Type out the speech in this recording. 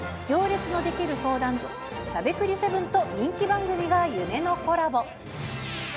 行列のできる相談所、しゃべくり００７と、人気番組が夢のコラボ。